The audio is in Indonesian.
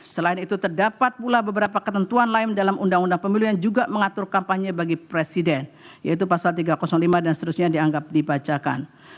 selain itu terdapat pula beberapa ketentuan lain dalam undang undang pemilu yang juga mengatur kampanye bagi presiden yaitu pasal tiga ratus lima dan seterusnya dianggap dibacakan